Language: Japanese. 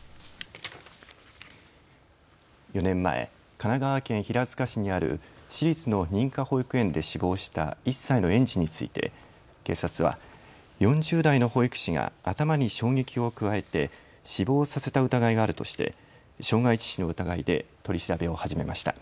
４年前、神奈川県平塚市にある私立の認可保育園で死亡した１歳の園児について警察は４０代の保育士が頭に衝撃を加えて死亡させた疑いがあるとして傷害致死の疑いで取り調べを始めました。